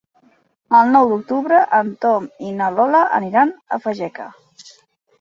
El nou d'octubre en Tom i na Lola aniran a Fageca.